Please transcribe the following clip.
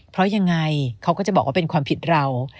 เพราะยังไงเขาก็จะบอกว่าเป็นความผิดเรา